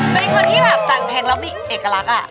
เป็นคนที่แบบแต่งเพลงแล้วมีเอกลักษณ์